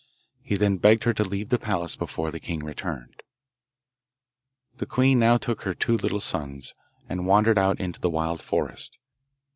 He then begged her to leave the palace before the king returned. The queen now took her two little sons, and wandered out into the wild forest.